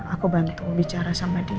aku bantu bicara sama dia